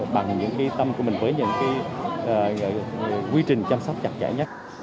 bằng những tâm của mình với những quy trình chăm sóc chặt chẽ nhất